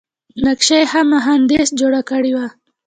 نقشه یې ښه مهندس جوړه کړې وه.